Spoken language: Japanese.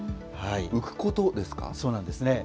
そうなんですね。